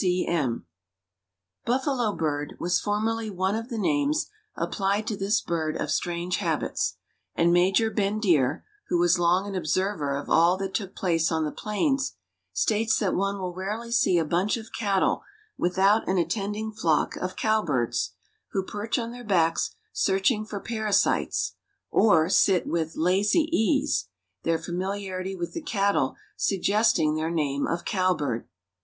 _) C. C. M. "Buffalo bird" was formerly one of the names applied to this bird of strange habits, and Major Bendire, who was long an observer of all that took place on the plains, states that one will rarely see a bunch of cattle without an attending flock of cowbirds, who perch on their backs searching for parasites, or sit with "lazy ease," their familiarity with the cattle suggesting their name of cowbird.